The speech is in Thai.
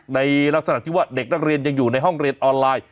ในลักษณะที่ว่าเด็กนักเรียนยังอยู่ในห้องเรียนออนไลน์